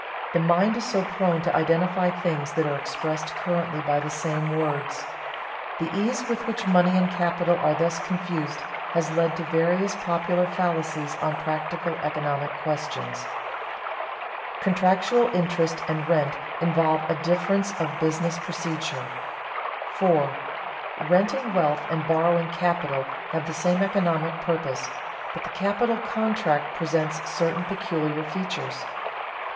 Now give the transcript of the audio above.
The mind is so prone to identify things that are expressed currently by the same words. The ease with which money and capital are thus confused has led to various popular fallacies on practical economic questions. [Sidenote: Contractual interest and rent involve a difference of business procedure] 4. _Renting wealth and borrowing capital have the same economic purpose, but the capital contract presents certain peculiar features.